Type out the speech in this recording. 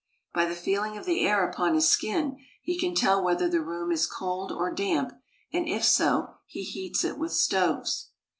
By the feeling of the air upon his skin, he can tell whether the room is cold or damp, and if so, he heats it with stoves.